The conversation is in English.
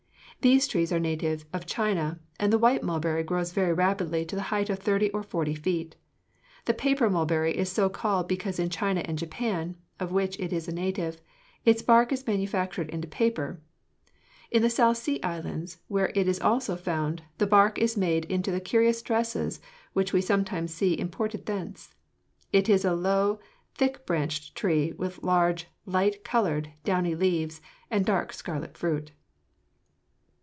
These trees are natives of China, and the white mulberry grows very rapidly to the height of thirty or forty feet. The paper mulberry is so called because in China and Japan of which it is a native its bark is manufactured into paper. In the South Sea Islands, where it is also found, the bark is made into the curious dresses which we sometimes see imported thence. It is a low, thick branched tree with large light colored downy leaves and dark scarlet fruit."